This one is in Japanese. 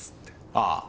ああ。